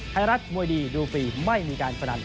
ไทยรัฐมวยดีดูฟรีไม่มีการพนัน